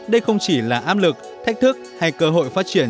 đây không chỉ là áp lực thách thức hay cơ hội phát triển